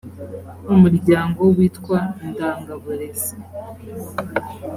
umuryango witwa indangaburezi